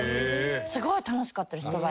すごい楽しかったです